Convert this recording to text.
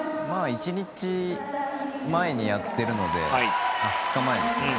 １日前にやっているので２日前ですか。